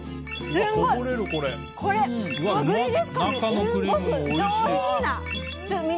すごく上品な。